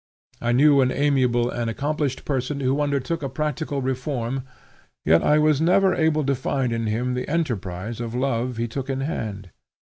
I knew an amiable and accomplished person who undertook a practical reform, yet I was never able to find in him the enterprise of love he took in hand.